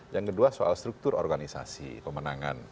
yang kedua soal struktur organisasi pemenangan